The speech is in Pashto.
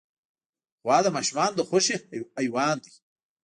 غوا د ماشومانو د خوښې حیوان دی.